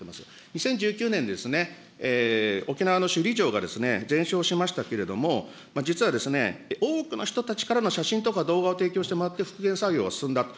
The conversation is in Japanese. ２０１９年ですね、沖縄の首里城が全焼しましたけれども、実は多くの人たちからの写真とか動画を提供してもらって、復元作業が進んだと。